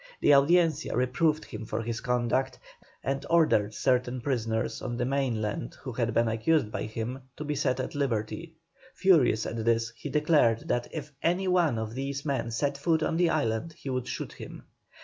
The Audiencia reproved him for his conduct, and ordered certain prisoners on the mainland who had been accused by him, to be set at liberty. Furious at this, he declared that if any one of these men set foot on the island he would shoot him.